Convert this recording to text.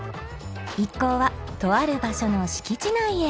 ［一行はとある場所の敷地内へ］